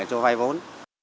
cho vay vốn